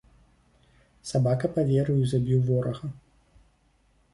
Сабака паверыў і забіў ворага.